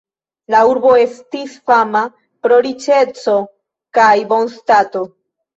La urbo estis fama pro riĉeco kaj bonstato.